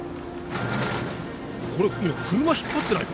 これ車引っ張ってないか？